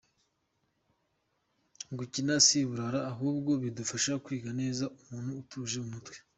Gukina si uburara ahubwo bidufasha kwiga neza, umuntu atuje mu mutwe.